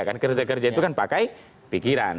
kan kerja kerja itu kan pakai pikiran